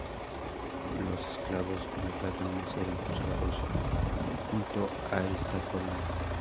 Los esclavos y los ladrones eran juzgados junto a esta columna.